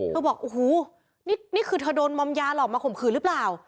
บอกโอ้โหนี่คือเธอโดนมอมยาหลอกมาข่มขืนหรือเปล่า